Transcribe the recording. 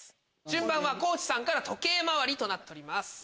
順番は地さんから時計回りとなっております。